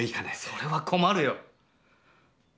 「それは困るよ。